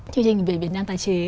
chương trình về việt nam tài chế